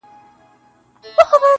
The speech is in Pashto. • نه پوهېږم پر دې لاره څرنګه ولاړم -